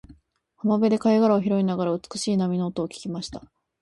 浜辺で貝殻を拾いながら、美しい波の音を聞きました。